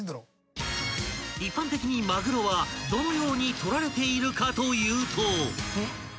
［一般的にまぐろはどのように取られているかというと］